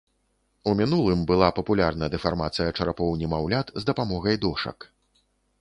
У мінулым была папулярна дэфармацыя чарапоў немаўлят з дапамогай дошак.